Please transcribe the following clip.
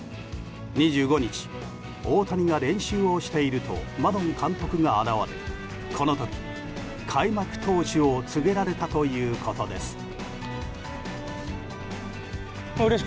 ２５日、大谷が練習をしているとマドン監督が現れこの時、開幕投手を告げられたということです。